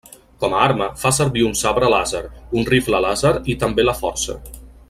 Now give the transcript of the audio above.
Com a arma, fa servir un sabre làser, un rifle làser, i també la Força.